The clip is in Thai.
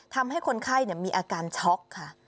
ทำให้คนไข้มีอาการช็อกค่ะ